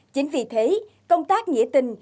chính vì thế công tác nghĩa tình